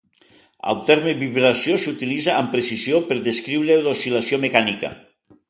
El terme "vibració" s'utilitza amb precisió per descriure l'oscil·lació mecànica.